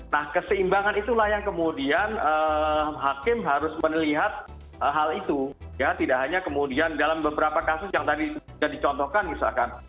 nah keseimbangan itulah yang kemudian hakim harus melihat hal itu ya tidak hanya kemudian dalam beberapa kasus yang tadi sudah dicontohkan misalkan